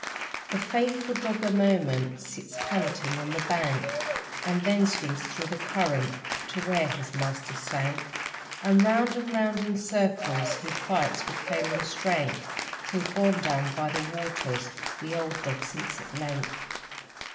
The faithful dog a moment Sits panting on the bank, And then swims through the current To where his master sank. And round and round in circles He fights with failing strength, Till, borne down by the waters, The old dog sinks at length.